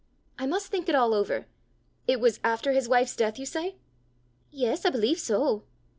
I must think it all over! It was after his wife's death, you say?" "Yes, I believe so."